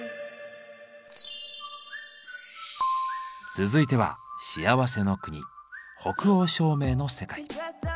続いては幸せの国北欧照明の世界。